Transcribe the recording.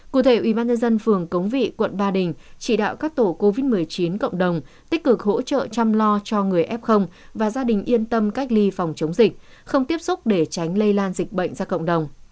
cụ thể ubnd phường cống vị quận ba đình chỉ đạo các tổ covid một mươi chín cộng đồng tích cực hỗ trợ chăm lo cho người f và gia đình yên tâm cách ly phòng chống dịch không tiếp xúc để tránh lây lan dịch bệnh ra cộng đồng